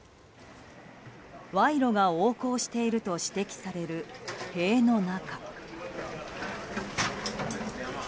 賄賂が横行していると指摘される塀の中。